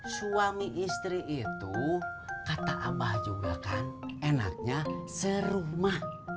suami istri itu kata abah juga kan enaknya serumah